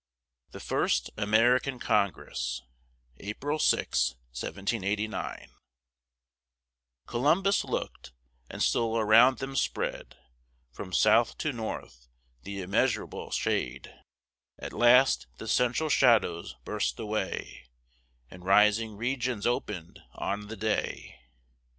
THE FIRST AMERICAN CONGRESS [April 6, 1789] Columbus looked; and still around them spread, From south to north, th' immeasurable shade; At last, the central shadows burst away, And rising regions open'd on the day.